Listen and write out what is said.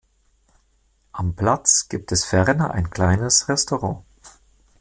Am Platz gibt es ferner ein kleines Restaurant.